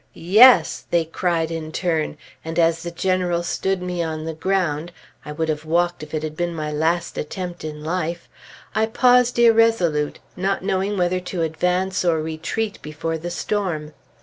"Yes!" they cried in turn, and as the General stood me on the ground (I would have walked if it had been my last attempt in life), I paused irresolute, not knowing whether to advance or retreat before the storm.